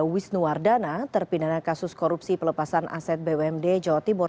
wisnuwardana terpidana kasus korupsi pelepasan aset bumd jawa timur